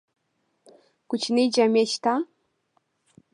کوچنی جامی شته؟